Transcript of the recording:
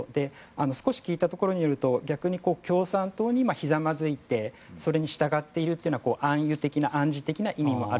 少し聞いたところによると逆に共産党にひざまずいてそれに従っているという暗喩的な暗示的な意味もある。